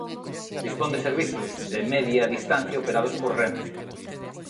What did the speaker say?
Dispón de servizos de media distancia operados por Renfe.